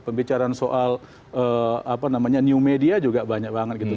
pembicaraan soal apa namanya new media juga banyak banget gitu